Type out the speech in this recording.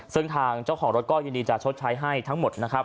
ซึ่งทางเจ้าของรถก็ยินดีจะชดใช้ให้ทั้งหมดนะครับ